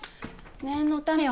念のためよ。